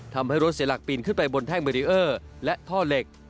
ทำให้รถเสียหลักปีนขึ้นไปบนแท่งเบรีเออร์และท่อเหล็ก